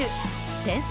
天才